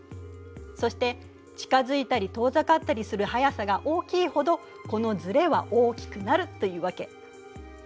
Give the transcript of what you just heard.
そして近づいたり遠ざかったりする速さが大きいほどこのずれは大きくなるというわけ。